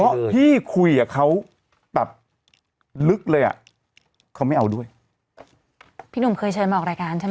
เพราะพี่คุยกับเขาแบบลึกเลยอ่ะเขาไม่เอาด้วยพี่หนุ่มเคยเชิญมาออกรายการใช่ไหม